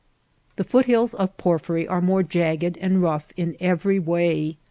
The foot hills of porphyry are more jagged and rough in every way.